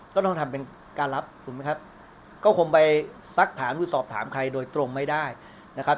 ก็ต้องทำเป็นการรับถูกไหมครับก็คงไปซักถามหรือสอบถามใครโดยตรงไม่ได้นะครับ